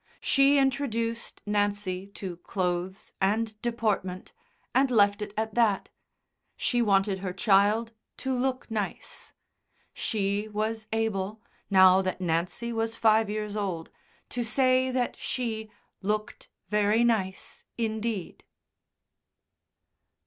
She introduced Nancy to clothes and deportment, and left it at that. She wanted her child to "look nice." She was able, now that Nancy was five years old, to say that she "looked very nice indeed."